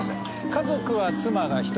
家族は妻が１人。